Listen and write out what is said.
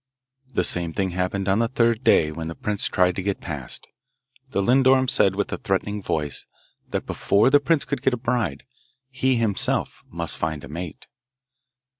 The same thing happened on the third day when the prince tried to get past: the lindorm said, with a threatening voice, that before the prince could get a bride he himself must find a mate.